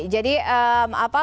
jadi apa menurut anda